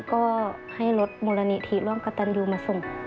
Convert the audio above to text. ก็ให้รถมรณีที่ร่องกะตันอยู่มาส่ง